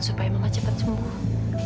supaya mama cepat sembuh